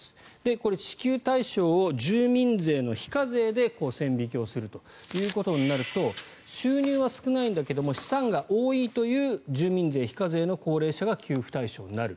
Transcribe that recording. これ、支給対象を住民税の非課税で線引きをするとなると収入は少ないんだけど資産が多いという住民税非課税の高齢者が給付対象になる。